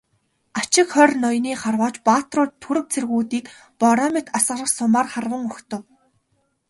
Ачигхори ноёны харваач баатрууд түрэг цэргүүдийг бороо мэт асгарах сумаар харван угтав.